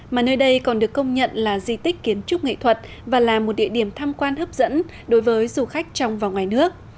mà nơi đây còn được công nhận là di tích kiến trúc nghệ thuật và là một địa điểm tham quan hấp dẫn đối với du khách trong và ngoài nước